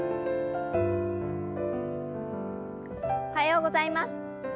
おはようございます。